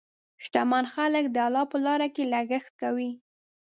شتمن خلک د الله په لاره کې لګښت کوي.